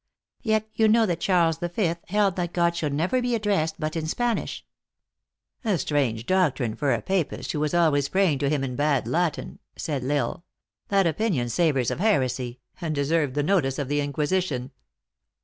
"Yet you know that Charles V. held that God should never be addressed but in Spanish." " A strange doctrine for a Papist, who w r as always praying to him in bad Latin," said L Isle. " That opinion savors of heresy, and deserved the notice of the Inquisition."